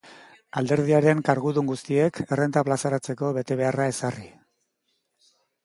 Alderdiaren kargudun guztiek errenta plazaratzeko betebeharra ezarri.